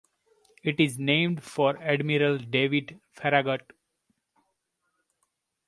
It is named for Admiral David Farragut.